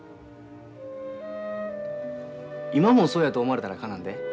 今もそうやと思われたらかなんで。